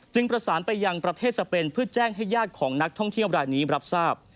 ประสานไปยังประเทศสเปนเพื่อแจ้งให้ญาติของนักท่องเที่ยวรายนี้รับทราบ